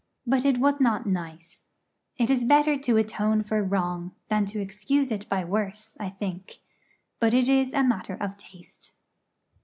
But it was not nice. It is better to atone for wrong than to excuse it by worse, I think; but it is a matter of taste.